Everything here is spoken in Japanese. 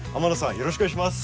よろしくお願いします。